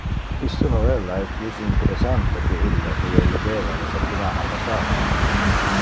Iste novella es plus interessante que illo que io legeva le septimana passate.